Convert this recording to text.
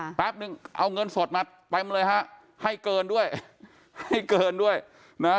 แป๊บนึงเอาเงินสดมาเต็มเลยฮะให้เกินด้วยให้เกินด้วยนะฮะ